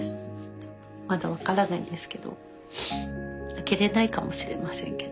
ちょっとまだ分からないですけど開けれないかもしれませんけど。